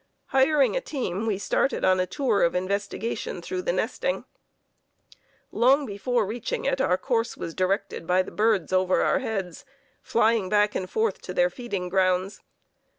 Hiring a team, we started on a tour of investigation through the nesting. Long before reaching it our course was directed by the birds over our heads, flying back and forth to their feeding grounds.